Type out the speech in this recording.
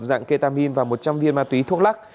dạng ketamin và một trăm linh viên ma túy thuốc lắc